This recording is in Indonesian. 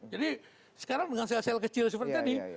jadi sekarang dengan sel sel kecil seperti tadi